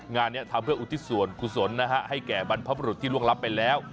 งานนี้ทำเพื่ออุทิศส่วนกุศลนะฮะให้แก่บรรพบรุษที่ล่วงรับไปแล้ว